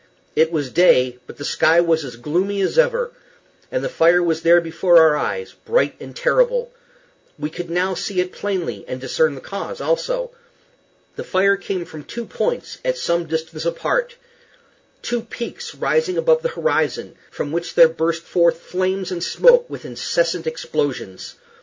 It was day, but the sky was as gloomy as ever, and the fire was there before our eyes, bright and terrible. We could now see it plainly, and discern the cause also. The fire came from two points, at some distance apart two peaks rising above the horizon, from which there burst forth flames and smoke with incessant explosions.